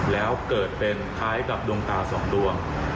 แล้วเกิดเป็นคล้ายกับดวงตาสองดวง